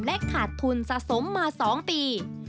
ขาดทุนสะสมมา๒ปี